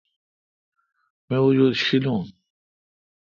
می۔ وجود شیلون۔